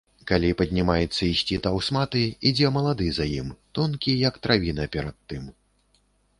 Калі паднімецца ісці таўсматы, ідзе малады за ім, тонкі, як травіна, перад тым.